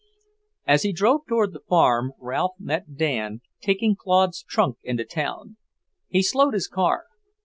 As he drove toward the farm, Ralph met Dan, taking Claude's trunk into town. He slowed his car.